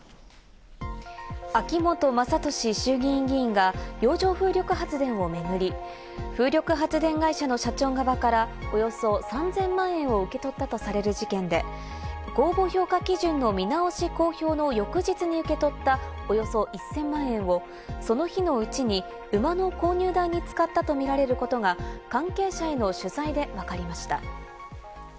秋本真利衆議院議員が洋上風力発電を巡り、風力発電会社の社長側から、およそ３０００万円を受け取ったとされる事件で、公募評価基準の見直し公表の翌日に受け取ったおよそ１０００万円をその日のうちに馬の購入代に使ったとみられることが関係者への取材でわかりました。